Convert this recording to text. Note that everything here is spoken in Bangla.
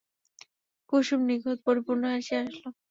কুসুম নিখুঁত পরিপূর্ণ হাসি হাসিল।